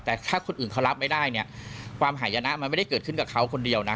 แต่ถ้าคนอื่นเขารับไม่ได้เนี่ยความหายนะมันไม่ได้เกิดขึ้นกับเขาคนเดียวนะ